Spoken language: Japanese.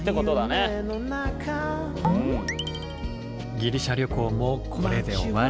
ギリシャ旅行もこれで終わり。